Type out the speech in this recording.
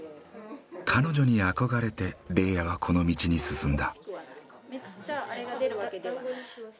彼女に憧れてレイヤはこの道に進んだ。